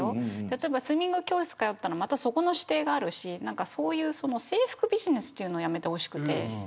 例えばスイミング教室通ったらそこの指定もあるしそういう制服ビジネスをやめてほしくて。